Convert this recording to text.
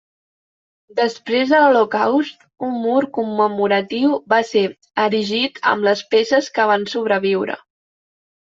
Després de l'Holocaust, un mur commemoratiu va ser erigit amb les peces que van sobreviure.